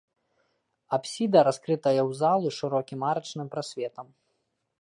Апсіда раскрытая ў залу шырокім арачным прасветам.